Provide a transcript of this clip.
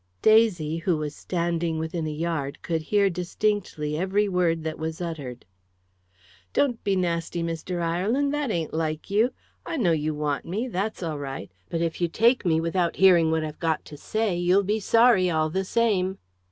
Daisy, who was standing within a yard, could hear distinctly every word that was uttered. "Don't be nasty, Mr. Ireland, that ain't like you! I know you want me that's all right but if you take me without hearing what I've got to say you'll be sorry all the same."